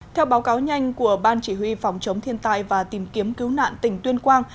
theo báo cáo nhanh của ban chỉ huy phòng chống thiên tai và tìm kiếm cứu nạn tỉnh tuyên quang